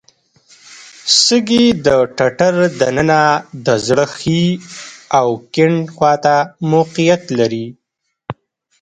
سږي د ټټر د ننه د زړه ښي او کیڼ خواته موقعیت لري.